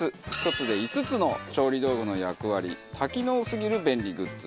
１つで５つの調理道具の役割多機能すぎる便利グッズ。